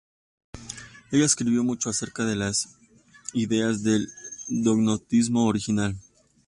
Ella escribió mucho acerca de las ideas del gnosticismo original.